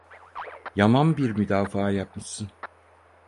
Yaman bir müdafaa yapmışsın…